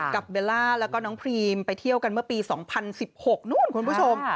เบลล่าแล้วก็น้องพรีมไปเที่ยวกันเมื่อปี๒๐๑๖นู่นคุณผู้ชม